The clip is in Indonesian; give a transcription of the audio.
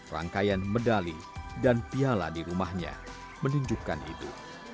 rangkaian medali dan piala di rumahnya menunjukkan itu